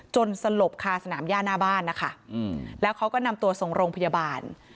สลบคาสนามย่าหน้าบ้านนะคะแล้วเขาก็นำตัวส่งโรงพยาบาล